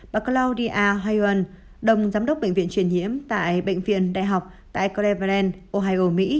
bà claudia huyen đồng giám đốc bệnh viện truyền nhiễm tại bệnh viện đại học tại cleveland ohio mỹ